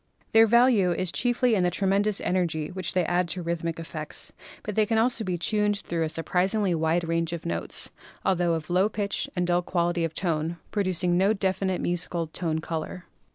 Their value is chiefly in the tremendous energy which they add to rhythmic effects, but they can also be tuned through a SOUND 137 surprisingly wide range of notes, altho of low pitch and dull quality of tone, producing no definite musical tone color.